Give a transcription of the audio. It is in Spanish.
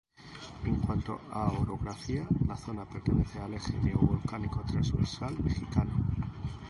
En cuanto a orografía, la zona pertenece al eje neo-volcánico transversal mexicano.